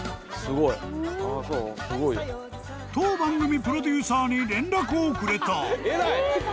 ［当番組プロデューサーに連絡をくれた］